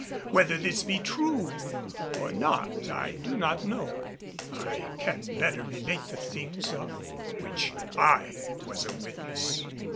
Whether this be true or not I do not know. I can better relate the things of which I was a witness.